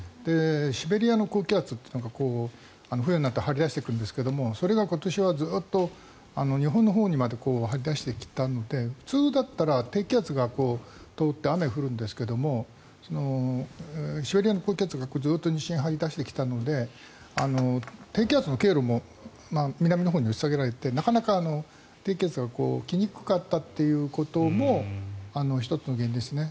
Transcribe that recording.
シベリアの高気圧が冬になって張り出してくるんですけどそれが今年はずっと日本のほうにまで張り出してきたので普通だったら低気圧が通って雨が降るんですけどシベリアの高気圧が西側に張り出してきたので低気圧の経路も南のほうに押し下げられてなかなか低気圧が来にくかったということも１つの原因ですね。